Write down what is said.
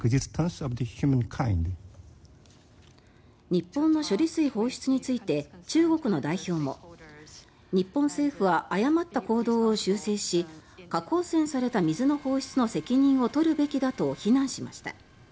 日本の処理水放出について中国の代表も日本政府は誤った行動を修正し核汚染された水の放出の責任を取るべきだと非難しました。